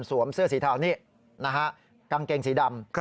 เสื้อสีเทานี่นะฮะกางเกงสีดำ